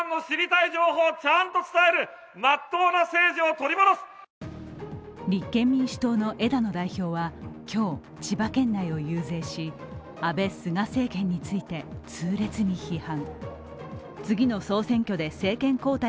一方、野党は立憲民主党の枝野代表は今日、千葉県内を遊説し安倍、菅政権について痛烈に批判。